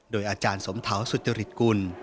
โดยอาจารย์สมเถาสุจริตกุล